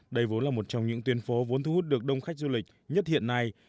đây vốn là một trong những tuyên phố vốn thu hút được đông khách du lịch nhất hiện nay